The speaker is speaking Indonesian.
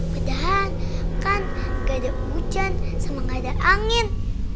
padahal kan gak ada hujan sama gak ada angin